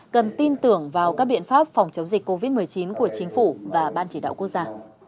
cần tin tưởng vào các biện pháp phòng chống dịch covid một mươi chín của chính phủ và ban chỉ đạo quốc gia